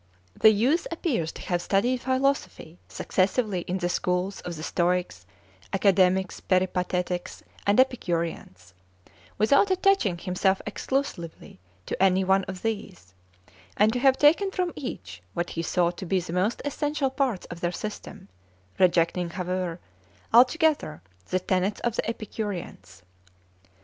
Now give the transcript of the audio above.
The youth appears to have studied philosophy successively in the schools of the Stoics, Academics, Peripatetics, and Epicureans, without attaching himself exclusively to any one of these, and to have taken from each what he thought to be the most essential parts of their system, rejecting, however, altogether the tenets of the Epicureans.